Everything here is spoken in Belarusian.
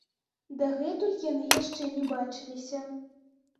Дагэтуль яны яшчэ не бачыліся.